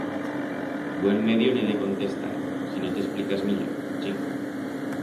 Buen medio n'he de contestar, si no t'explicas millor, chico.